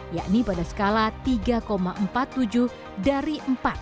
yakni pada skala tiga empat puluh tujuh dari empat